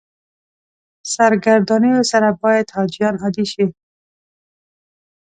سرګردانیو سره باید حاجیان عادي شي.